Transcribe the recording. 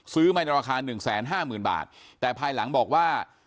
ซื้อมาในราคา๑๕๐๐๐๐บาทแต่ภายหลังบอกว่า